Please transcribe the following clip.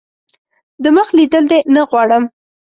دمخ لیدل دي نه غواړم .